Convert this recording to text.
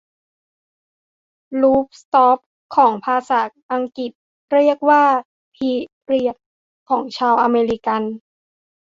ฟูลสตอปของภาษาอังกฤษเรียกว่าพิเรียดของชาวอเมริกัน